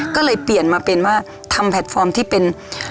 ก็เลยเปลี่ยนมาเป็นว่าทำแพลตฟอร์มที่เป็น